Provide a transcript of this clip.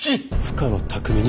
深野拓実